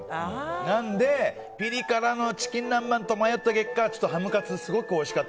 なので、ピリ辛のチキン南蛮と悩んだ結果ハムカツ、すごくおいしかった。